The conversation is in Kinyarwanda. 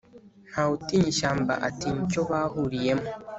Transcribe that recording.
ntawutinya ishyamba atinya icyo bahuriyemo